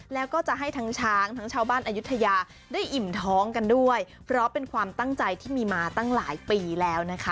แล้วก็จะให้ทั้งช้างทั้งชาวบ้านอายุทยาได้อิ่มท้องกันด้วยเพราะเป็นความตั้งใจที่มีมาตั้งหลายปีแล้วนะคะ